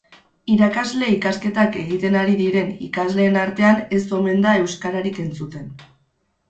Irakasle ikasketak egiten ari diren ikasleen artean ez omen da euskararik entzuten.